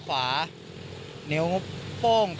ก็ถามตอบรู้เรื่องครับ